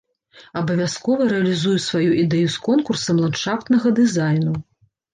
Абавязкова рэалізую сваю ідэю з конкурсам ландшафтнага дызайну.